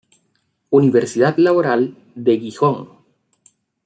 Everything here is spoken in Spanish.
Universidad Laboral, de Gijón.